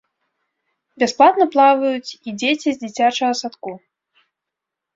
Бясплатна плаваюць і дзеці з дзіцячага садку.